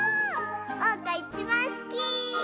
おうかいちばんすき！